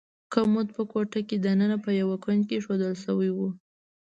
کمود په کوټه کې دننه په یو کونج کې ایښودل شوی و.